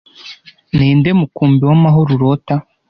ninde umukumbi wamahoro urota